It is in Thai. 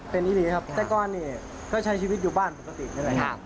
เป็นนี่หรือครับเต็กวัดเนี่ยก็ใช้ชีวิตอยู่บ้านปกติได้เลยค่ะ